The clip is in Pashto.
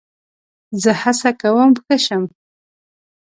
زه هڅه کوم ښه شم.